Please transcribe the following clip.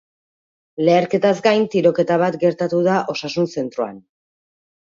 Leherketaz gain, tiroketa bat gertatu da osasun zentroan.